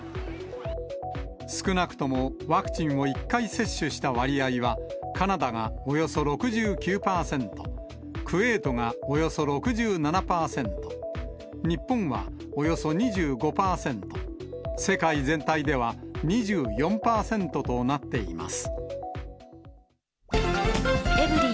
少なくともワクチンを１回接種した割合は、カナダがおよそ６９％、クウェートがおよそ６７％、日本はおよそ２５％、世界全体では２４％となっています。